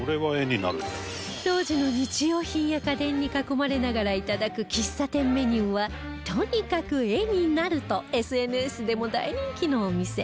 当時の日用品や家電に囲まれながらいただく喫茶店メニューはとにかく画になると ＳＮＳ でも大人気のお店